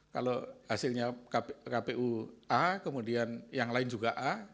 kalau hasilnya kpu a kemudian yang lain juga a